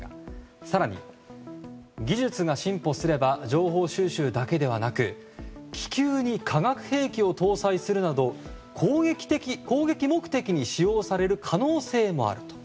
更に技術が進歩すれば情報収集だけではなく気球に化学兵器を搭載するなど攻撃目的に使用される可能性もある。